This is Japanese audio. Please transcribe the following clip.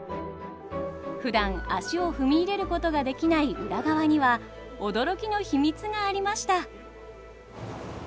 ふだん足を踏み入れることができない裏側には驚きの秘密がありました。